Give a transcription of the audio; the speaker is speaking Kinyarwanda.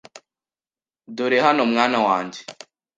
Dore hano, mwana wanjye.